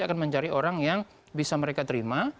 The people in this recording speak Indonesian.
akan mencari orang yang bisa mereka terima